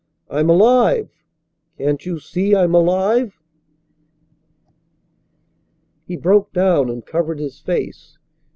"I'm alive! Can't you see I'm alive?" He broke down and covered his face.